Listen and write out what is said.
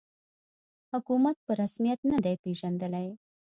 حکومت په رسمیت نه دی پېژندلی